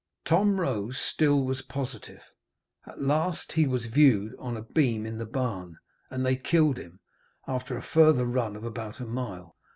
Tom Rose still was positive; at last he was viewed on a beam in the barn, and they killed him, after a further run of about a mile.